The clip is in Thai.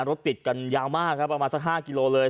รถติดกันยาวมากประมาณ๕กิโลเมตรเลย